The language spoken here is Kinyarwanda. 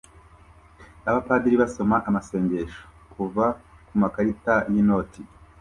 Abapadiri basoma amasengesho kuva ku makarita y'inoti